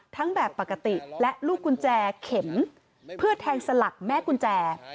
แบบปกติและลูกกุญแจเข็มเพื่อแทงสลักแม่กุญแจ